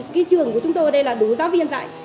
cái trường của chúng tôi ở đây là đủ giáo viên dạy